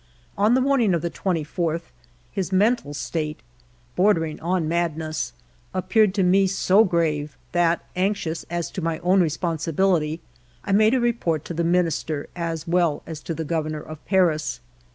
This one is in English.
On the morning of the 24th his mental state, bordering on madness, appeared to me so grave that, anxious as to my own responsibility, I made a report to the Minister as well as to the Governor of Paris.